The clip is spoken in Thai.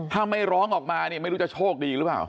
ถ้าไม่ร้องออกมาเนี่ยไม่รู้จะโชคดีหรือเปล่า